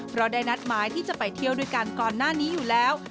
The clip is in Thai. เพราะได้นัดหมายที่จะไปเที่ยวด้วยกันก่อนหน้านี้อยู่แล้ว